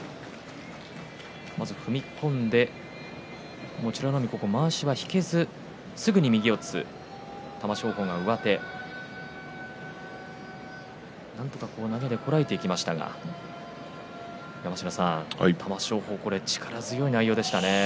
まず、踏み込んで美ノ海はまわしが引けずすぐに右四つ、玉正鳳が上手なんとか投げでこらえていきましたが山科さん玉正鳳、力強い内容でしたね。